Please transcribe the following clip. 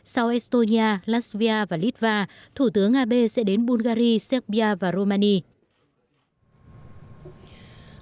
sau estonia latvia và litva thủ tướng abe sẽ đến bulgari serbia và romania